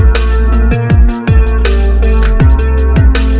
putri bete delapan